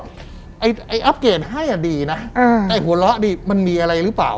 รับเกรดให้ดีนะแต่หัวเราะดิมันมีอะไรหรือเปล่า